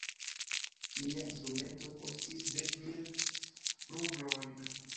Mia instrumento kostis dek mil rublojn.